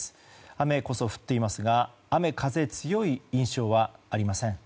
雨こそ降っていますが雨風、強い印象はありません。